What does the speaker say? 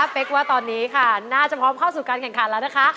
เป๊กว่าตอนนี้ค่ะน่าจะพร้อมเข้าสู่การแข่งขันแล้วนะคะ